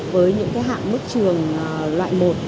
với những hạng mức trường loại một